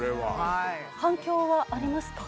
反響はありますか？